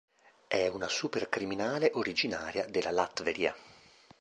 È una supercriminale originaria della Latveria.